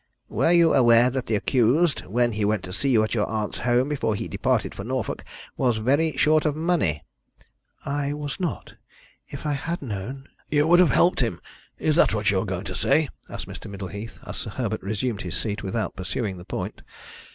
"Were you aware that the accused, when he went to see you at your aunt's home before he departed for Norfolk, was very short of money?" "I was not. If I had known " "You would have helped him is that what you were going to say?" asked Mr. Middleheath, as Sir Herbert resumed his seat without pursuing the point.